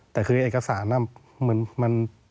แต่คือเอกสารมัน